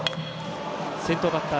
先頭バッター